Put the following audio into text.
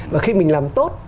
và khi mình làm tốt